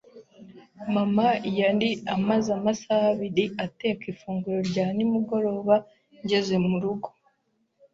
[S] Mama yari amaze amasaha abiri ateka ifunguro rya nimugoroba ngeze murugo.